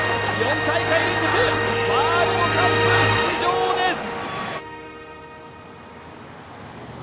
４大会連続ワールドカップ出場ですＧＯ！